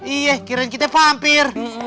iya kirain kita pampir